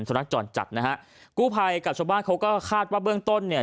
สุนัขจรจัดนะฮะกู้ภัยกับชาวบ้านเขาก็คาดว่าเบื้องต้นเนี่ย